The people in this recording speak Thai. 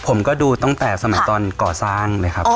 ผมก็ดูตั้งแต่สมัยตอนก่อสร้างเลยครับ